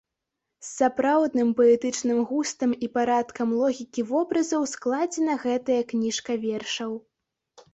З сапраўдным паэтычным густам і парадкам логікі вобразаў складзена гэтая кніжка вершаў.